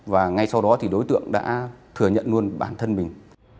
và ngay sau đó thì đối tượng đã thừa nhận luôn bản thân mình